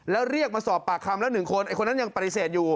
แล้วเรียกมาสอบปากคำแล้ว๑คนไอ้คนนั้นยังปฏิเสธอยู่